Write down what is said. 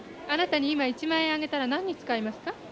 あなたに今１万円あげたら何に使いますか？